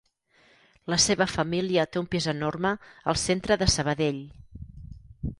La seva família té un pis enorme al centre de Sabadell.